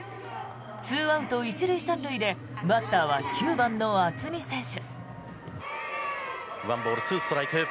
２アウト１塁３塁でバッターは９番の渥美選手。